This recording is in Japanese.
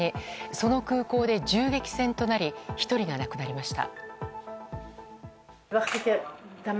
その空港で銃撃戦となり１人が亡くなりました。